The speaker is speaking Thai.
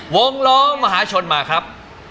วงล้อมหาชนมาครับ